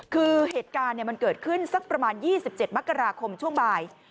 คือเหตุการณ์มันเกิดขึ้นสักประมาณ๒๗มกราคมช่วงบ่าย